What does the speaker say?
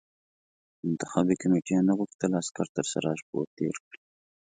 منتخبي کمېټې نه غوښتل عسکر تر سراج پور تېر کړي.